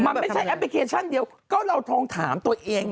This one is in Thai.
มันไม่ใช่แอปพลิเคชันเดียวก็เราทองถามตัวเอง